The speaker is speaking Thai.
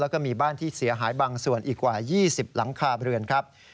แล้วก็มีบ้านที่เสียหายบางส่วนอีกกว่า๒๐หลังคาเรือนครับ